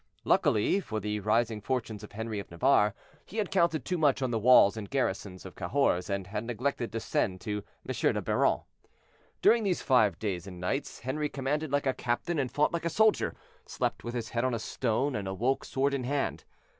Luckily for the rising fortunes of Henri of Navarre, he had counted too much on the walls and garrison of Cahors, and had neglected to send to M. de Biron. During these five days and nights, Henri commanded like a captain and fought like a soldier, slept with his head on a stone, and awoke sword in hand.